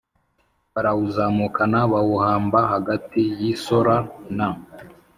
barawuzamukana bawuhamba hagati y i Sora na